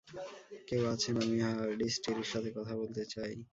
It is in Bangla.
কেউ আছেন, আমি হারডিস্টির সাথে কথা বলতে চাই।